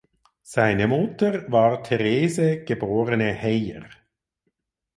Seine Mutter war Therese geborene Heyer.